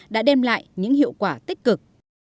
đã đem lại những hiệu quả tích cực